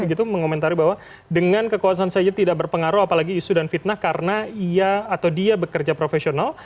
begitu mengomentari bahwa dengan kekuasaan saja tidak berpengaruh apalagi isu dan fitnah karena ia atau dia bekerja profesional